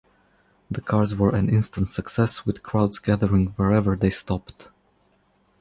The cars were an instant success, with crowds gathering wherever they stopped.